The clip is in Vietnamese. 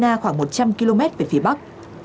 nga đã đi đến ukraine khoảng một trăm linh km về phía bắc